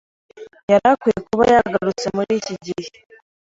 Yari akwiye kuba yagarutse muri iki gihe.